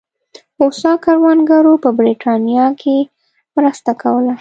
هوسا کروندګرو په برېټانیا کې مرسته کوله.